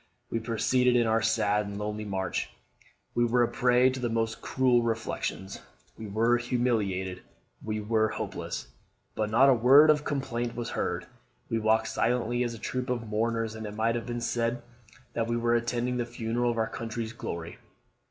We proceeded on our sad and lonely march. We were a prey to the most cruel reflections, we were humiliated, we were hopeless; but not a word of complaint was heard. We walked silently as a troop of mourners, and it might have been said that we were attending the funeral of our country's glory.